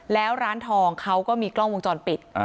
แล้วร้านทองเขาก็มีกล้องวงจรปิด